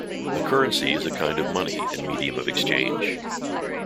A currency is a kind of money and medium of exchange.